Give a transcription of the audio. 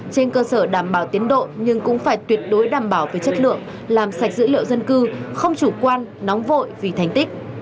trên cơ sở đảm bảo tiến độ nhưng cũng phải tuyệt đối đảm bảo về chất lượng làm sạch dữ liệu dân cư không chủ quan nóng vội vì thành tích